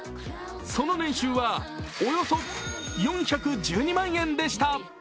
その年収はおよそ４１２万円でした。